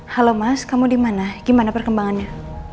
halo mas kamu dimana gimana perkembangannya